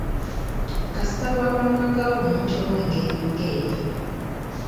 Kasita waabangawo omuntu ow'engeri ng'eyo.